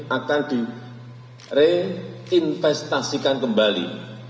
akan direinvestasikan kembali